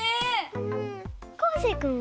うん。